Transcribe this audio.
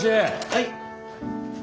はい。